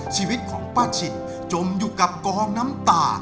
ชีวิตของป้าฉิดจมอยู่กับกองน้ำตา